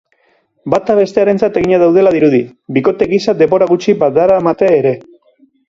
Bata bestearentzat eginak daudela dirudi, bikote gisa denbora gutxi badaramate ere.